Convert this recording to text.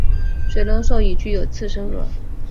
水龙兽已具有次生腭。